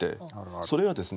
それはですね